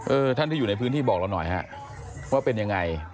ท่านที่อยู่ในพื้นที่บอกเราหน่อยฮะว่าเป็นยังไง